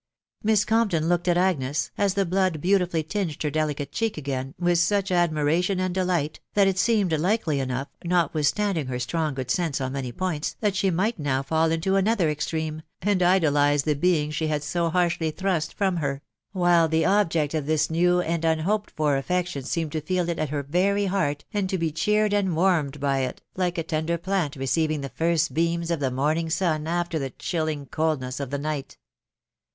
Miss Compton looked at Agnes, as the blood beautifully tinged her delicate cheek again, with such admiration and delight, that it seemed likely enough, notwithstanding her strong good sense on many points, that she might now fall into another extreme, and idolise the being she had so harshly thrust from her .... while the object of this new and un hoped for affection seemed to feel it at her .very heart, and to be cheered and warmed by it, like a tender plant receiving the first beams of the morning sun after the chilling coldness of the night.